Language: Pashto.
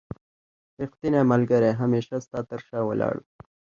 رښتينی ملګري هميشه ستا تر شا ولاړ وي.